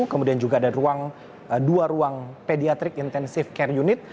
kemudian juga ada dua ruang pediatric intensive care unit